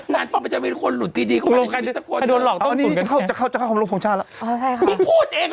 ไม่งานมาจะมีคนหลุดที่ดีกว่าในชีวิตเอง